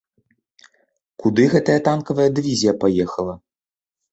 Куды гэтая танкавая дывізія паехала?